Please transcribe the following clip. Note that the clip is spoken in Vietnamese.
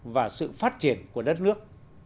và sự phát triển của đất nước